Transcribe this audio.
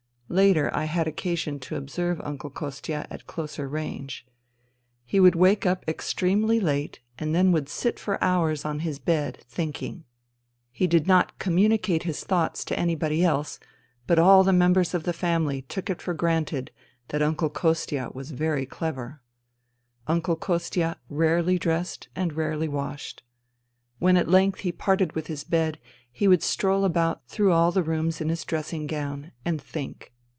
Later I had occasion to observe Uncle Kostia at closer range. He would wake up extremely late and would then sit for hours on his bed, thinking. He did not communicate his thoughts to anybody else ; but all the members of the family took it for granted that Uncle Kostia was very clever. Uncle Kostia rarely dressed and rarely washed. When at length he parted with his bed he would stroll about through all the rooms in his dressing gown, and think.